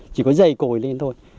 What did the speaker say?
chỉ có dày cồi lên thôi